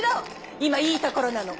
今いいところなの。